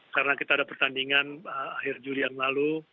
karena kita ada pertandingan akhir juli yang lalu